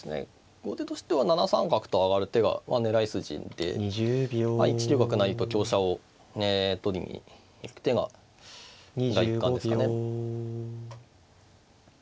後手としては７三角と上がる手が狙い筋で１九角成と香車を取りに行く手が第一感ですかね。